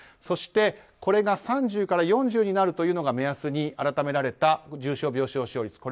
そして、これが３０から４０になるというのが目安に改められた重症病床使用率。